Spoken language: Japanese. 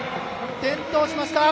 転倒しました。